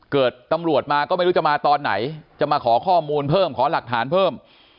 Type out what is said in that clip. ตำรวจมาก็ไม่รู้จะมาตอนไหนจะมาขอข้อมูลเพิ่มขอหลักฐานเพิ่ม